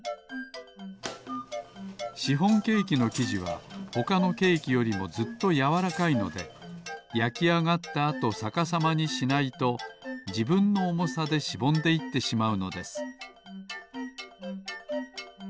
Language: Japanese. シフォンケーキのきじはほかのケーキよりもずっとやわらかいのでやきあがったあとさかさまにしないとじぶんのおもさでしぼんでいってしまうのです